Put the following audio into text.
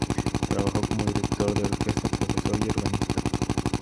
Trabajó como director de orquesta, profesor y organista.